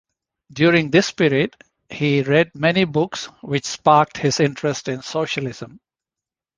During this period, he read many books which sparked his interest in socialism.